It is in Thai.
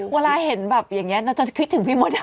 เวลาเห็นแบบอย่างนี้เราจะคิดถึงพี่มด